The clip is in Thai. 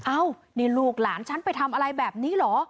เอ้านี่ลูกหลานฉันไปทำอะไรแบบนี้เหรอ